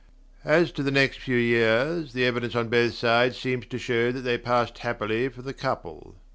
As to the next few years, the evidence on both sides seems to show that they passed happily for the couple.